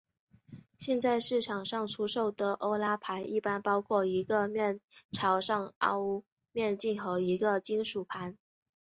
现在市场上出售的欧拉盘一般包括一个面朝上的凹面镜和一个金属盘。